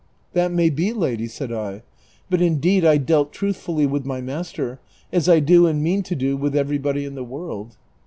That may be, lady," said I ;" but indeed I dealt truthfully with my master, as I do and mean to do with everybody in the world."